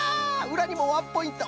うらにもワンポイント！